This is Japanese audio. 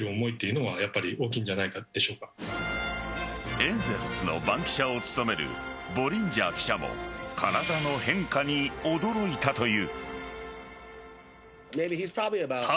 エンゼルスの番記者を務めるボリンジャー記者も体の変化に驚いたという。